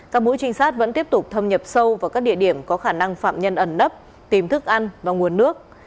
các mũi trinh sát vẫn tiếp tục thâm nhập sâu vào các địa điểm có khả năng phạm nhân ẩn nấp tìm thức ăn và nguồn nước